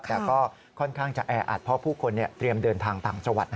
แต่ก็ค่อนข้างจะแออัดเพราะผู้คนเตรียมเดินทางต่างจังหวัด